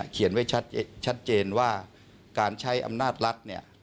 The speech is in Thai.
เขียนไว้ชัดเจนว่าการใช้อำนาจรัฐเนี่ย